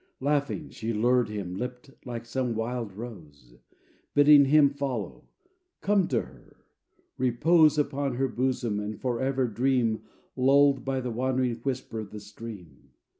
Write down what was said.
Laughing, she lured him, lipped like some wild rose; Bidding him follow; come to her; repose Upon her bosom and forever dream Lulled by the wandering whisper of the stream.